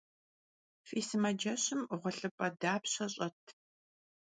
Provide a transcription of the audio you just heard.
Fi sımaceşım ğuelhıp'e dapşe ş'et?